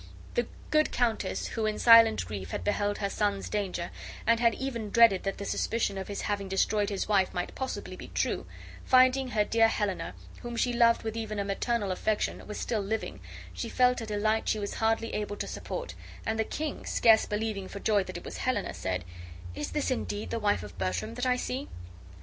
The good countess, who in silent grief had beheld her son's danger, and had even dreaded that the suspicion of his having destroyed his wife might possibly be true, finding her dear Helena, whom she loved with even a maternal affection, was still living, felt a delight she was hardly able to support; and the king, scarce believing for joy that it was Helena, said: "Is this indeed the wife of Bertram that I see?"